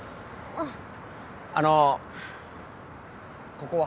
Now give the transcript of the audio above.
あのここは？